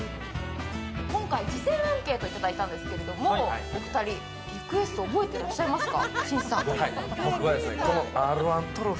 今回事前アンケートをいただいたんですけれども、お二人、リクエストを覚えていらっしゃいますか。